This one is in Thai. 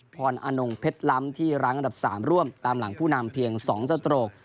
รอนงเพชรล้ำที่รั้งอันดับ๓ร่วมตามหลังผู้นำเพียง๒สโตรก